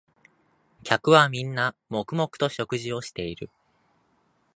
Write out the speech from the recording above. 客はみんな黙々と食事をしている